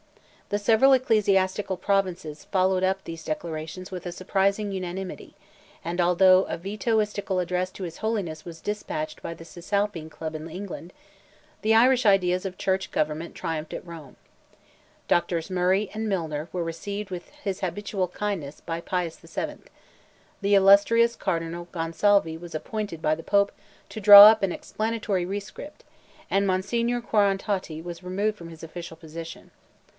The several ecclesiastical provinces followed up these declarations with a surprising unanimity, and although a Vetoistical address to His Holiness was despatched by the Cisalpine club in England, the Irish ideas of Church government triumphed at Rome. Drs. Murray and Milner were received with his habitual kindness by Pius VII.; the illustrious Cardinal Gonsalvi was appointed by the Pope to draw up an explanatory rescript, and Monsignor Quarrantotti was removed from his official position.